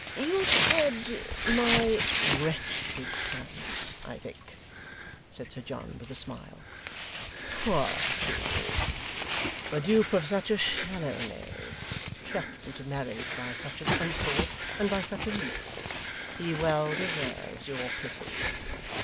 'You said my "wretched" son, I think?' said Sir John, with a smile. 'Poor fool! The dupe of such a shallow knave trapped into marriage by such an uncle and by such a niece he well deserves your pity.